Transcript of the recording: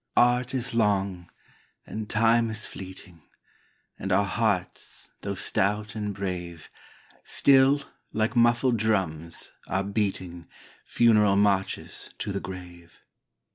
Art is long, and Time is fleeting, And our hearts, though stout and brave, Still, like muffled drums, are beating Funeral marches to the grave.